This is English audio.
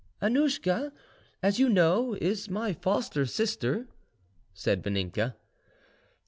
"Annauschka, as you know, is my foster sister," said Vaninka.